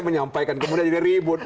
menyampaikan kemudian jadi ribut